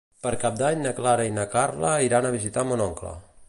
Per Cap d'Any na Clara i na Carla iran a visitar mon oncle.